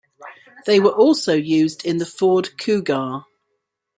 They were also used in the Ford Cougar.